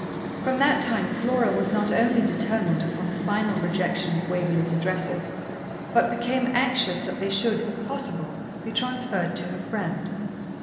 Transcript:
From that time Flora was not only determined upon the final rejection of Waverley's addresses, but became anxious that they should, if possible, be transferred to her friend.